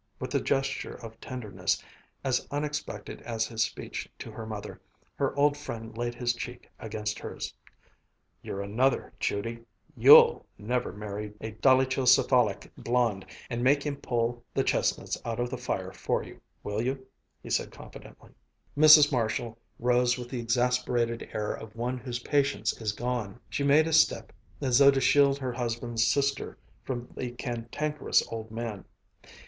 With a gesture of tenderness, as unexpected as his speech to her mother, her old friend laid his cheek against hers. "You're another, Judy, You'll never marry a dolichocephalic blond and make him pull the chestnuts out of the fire for you, will you?" he said confidently. Mrs. Marshall rose with the exasperated air of one whose patience is gone. She made a step as though to shield her husband's sister from the cantankerous old man.